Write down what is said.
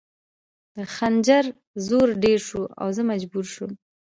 د خنجر زور ډېر شو او زه مجبوره شوم